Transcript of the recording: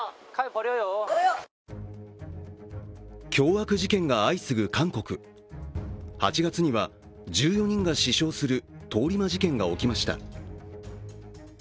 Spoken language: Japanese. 凶悪事件が相次ぐ韓国、８月には１４人が死傷する通り魔事件が起きました。